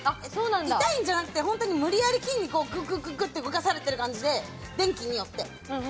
痛いんじゃなくて、無理やり筋肉をグッグッて動かされてる感じで、電気によって。